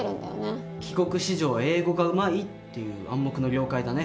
帰国子女は英語がうまいっていう「暗黙の了解」だね。